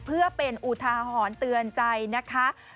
เพื่อเป็นอุทาหรณ์เตือนใจนะคะ